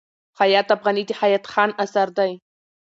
حیات افغاني د حیات خان اثر دﺉ.